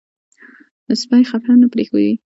سپي خفه نه پرېښوئ.